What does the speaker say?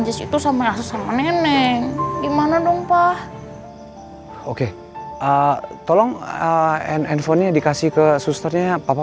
jas itu sama rasa sama nenek gimana dong pak oke ah tolong enfonnya dikasih ke susternya papa